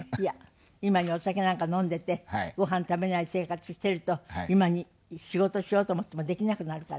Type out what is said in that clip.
今にお酒なんか飲んでてごはん食べない生活してると今に仕事しようと思ってもできなくなるから。